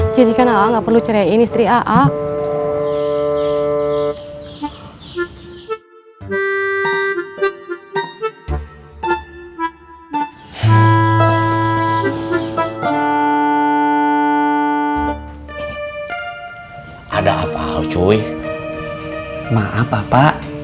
jadikan ak nggak perlu ceraiin istri ak ak